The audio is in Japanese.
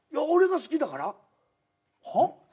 俺が好きだから？